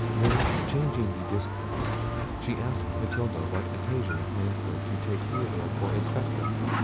Then changing the discourse, she asked Matilda what occasioned Manfred to take Theodore for a spectre?